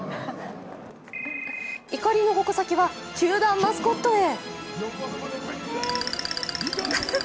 怒りの矛先は球団マスコットへ。